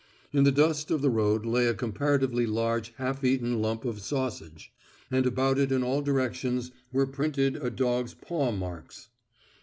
In the dust of the road lay a comparatively large half eaten lump of sausage, and about it in all directions were printed a dog's paw marks.